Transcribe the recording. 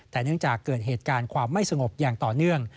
แต่เนื่องจากเกิดเหตุการณ์ความไม่สงบอย่างต่อเนื่อง